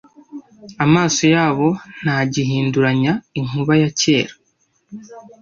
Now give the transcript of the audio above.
amaso yabo ntagihinduranya inkuba ya kera